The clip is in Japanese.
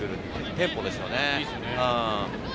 テンポですよね。